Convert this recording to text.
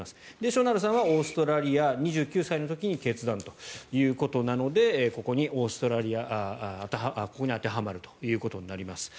しょなるさんはオーストラリア２９歳の時に決断ということなのでここに当てはまるということになります。